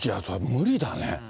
無理だね。